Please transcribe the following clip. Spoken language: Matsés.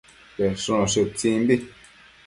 Bedshunoshi utsimbi